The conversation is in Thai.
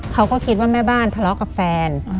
เขาก็คิดว่าแม่บ้านทะเลาะกับแฟน